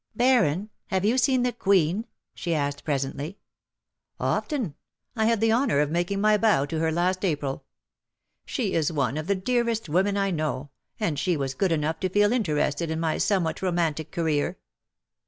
" Baron^ have you seen the Queen V she asked presently. " Often. I had the honour of making my bow to her last April. She is one of the dearest women I know, and she was good enough to feel interested in my somewhat romantic career.